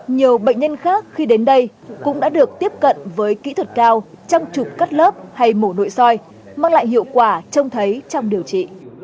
nhiều bệnh nhân khác khi đến đây cũng đã được tiếp cận với kỹ thuật cao trăm chụp cắt lớp hay mổ nội soi mang lại hiệu quả trông thấy trong điều trị